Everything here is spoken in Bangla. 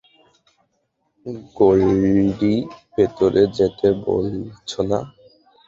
গোল্ডি, ভেতরে যেতে বলছনা।